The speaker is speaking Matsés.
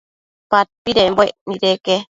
Padpidembuec nideque